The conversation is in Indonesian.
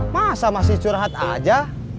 masa masih curhat aja